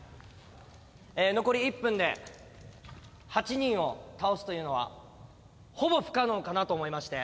残り１分で８人を倒すというのはほぼ不可能かなと思いまして。